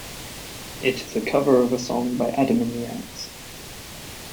It is a cover of a song by Adam and the Ants.